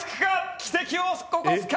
奇跡を起こすか？